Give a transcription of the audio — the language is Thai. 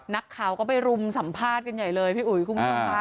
นักข่าวก็ไปรุมสัมภาษณ์กันใหญ่เลยพี่อุ๋ยคุณผู้ชมค่ะ